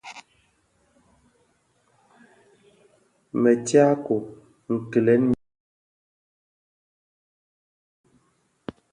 Më tyako kileň min lè di dhikuu.